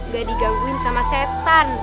gak digangguin sama setan